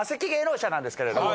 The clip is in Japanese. なんですけれども。